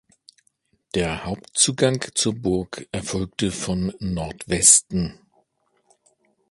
Der Hauptzugang zur Burg erfolgte von Nordwesten.